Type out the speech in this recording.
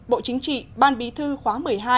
bộ chính trị ban bí thư khóa một mươi hai